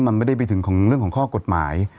มันไม่ได้ไปถึงของเรื่องของข้อกฎหมาย